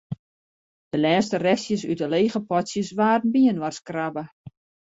De lêste restjes út de lege potsjes waarden byinoarskrabbe.